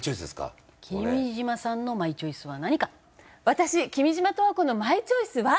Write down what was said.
私君島十和子のマイチョイスは。